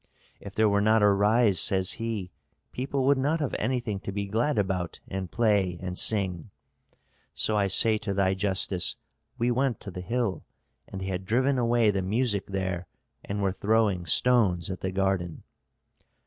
'If there were not a rise,' says he, 'people would not have anything to be glad about and play and sing.' So I say to thy justice, we went to the hill, and they had driven away the music there and were throwing stones at the garden."